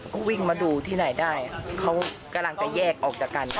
ก็วิ่งมาดูที่ไหนได้เขากำลังจะแยกออกจากกัน